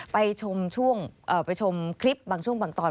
ไปชมช่วงไปชมคลิปบางช่วงบางตอน